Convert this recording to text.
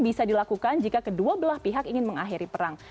bisa dilakukan jika kedua belah pihak ingin mengakhiri perang